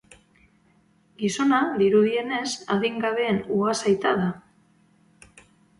Gizona, dirudienez, adingabeen ugazaita da.